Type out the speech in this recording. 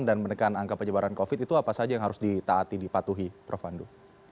dan menekan angka penyebaran covid sembilan belas itu apa saja yang harus ditaati dipatuhi prof pandu